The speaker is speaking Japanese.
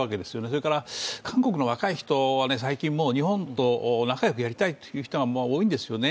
それから、韓国の若い人は最近日本と仲良くやりたいという人が多いんですよね。